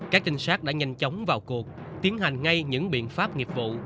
các trinh sát đã nhanh chóng vào cuộc tiến hành ngay những biện pháp nghiệp vụ